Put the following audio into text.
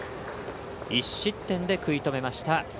１失点で食い止めました。